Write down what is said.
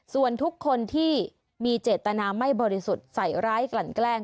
ส่วนทุกคนที่มีเจตนาไม่บริสุทธิ์ใส่ร้ายกลั่นแกล้ง